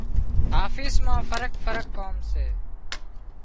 آفيس مان فرق فرق ڪام سي۔